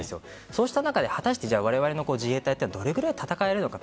そうした中で果たしてわれわれの自衛隊はどれぐらい戦えるのか。